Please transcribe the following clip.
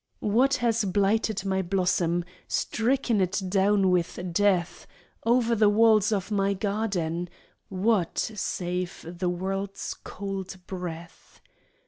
What has blighted my blossom. Stricken it down with death. Over the walls of my garden — What save the world's cold breath?